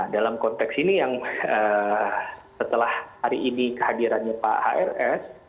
dalam konteks ini yang setelah hari ini kehadirannya pak hrs